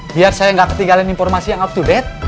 biar saya nggak ketinggalan informasi yang up to date